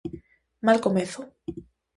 Mal comezo.